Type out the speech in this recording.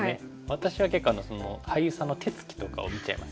私は結構俳優さんの手つきとかを見ちゃいますね。